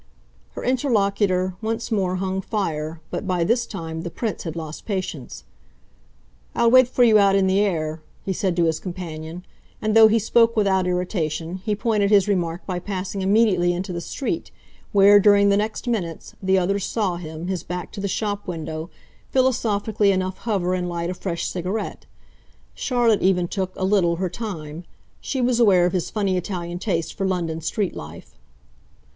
Her interlocutor once more hung fire, but by this time the Prince had lost patience. "I'll wait for you out in the air," he said to his companion, and, though he spoke without irritation, he pointed his remark by passing immediately into the street, where, during the next minutes, the others saw him, his back to the shopwindow, philosophically enough hover and light a fresh cigarette. Charlotte even took, a little, her time; she was aware of his funny Italian taste for London street life.